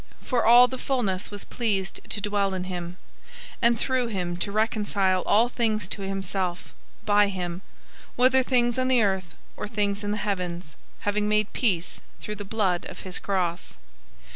001:019 For all the fullness was pleased to dwell in him; 001:020 and through him to reconcile all things to himself, by him, whether things on the earth, or things in the heavens, having made peace through the blood of his cross.